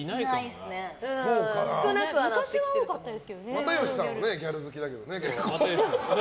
又吉さんはギャル好きだけどね。